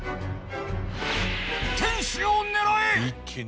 天守を狙え！